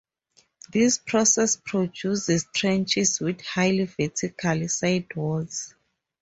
This process produces trenches with highly vertical sidewalls.